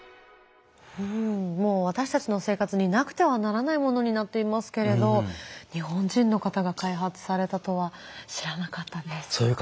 もう私たちの生活になくてはならないものになっていますけれど日本人の方が開発されたとは知らなかったです。